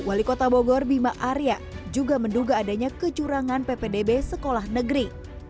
wali kota bogor bima arya juga menduga adanya kecurangan ppdb sekolah negeri